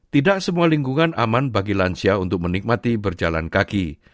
tidak semua lingkungan aman bagi lansia untuk menikmati berjalan kaki